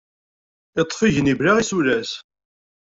Yeṭṭef igenni bla isulas.